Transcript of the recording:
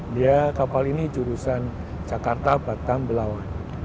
dia kapal ini jurusan jakarta batam belawan